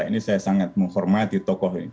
ini saya sangat menghormati tokoh ini